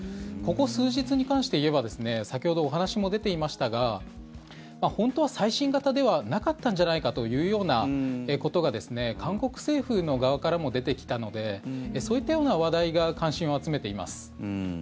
ここ数日に関して言えば先ほどお話も出ていましたが本当は最新型ではなかったんじゃないかというようなことが韓国政府側からも出てきたのでそういったような話題が関心を集めています。